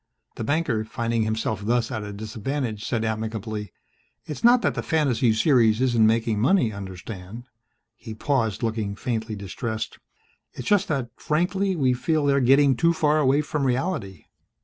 The banker, finding himself thus at a disadvantage, said amicably, "It's not that the fantasy series isn't making money, understand." He paused, looking faintly distressed. "It's just that, frankly, we feel they're getting too far away from reality.